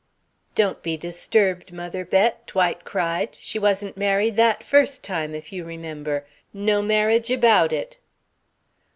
"Don't be disturbed, Mother Bett," Dwight cried. "She wasn't married that first time, if you remember. No marriage about it!"